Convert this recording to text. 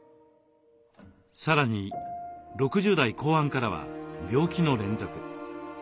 さらに６０代後半からは病気の連続。